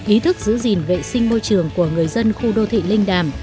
ý thức giữ gìn vệ sinh môi trường của người dân khu đô thị linh đàm